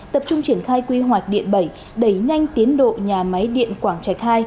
tập trung triển khai quy hoạch điện bảy đẩy nhanh tiến độ nhà máy điện quảng trạch ii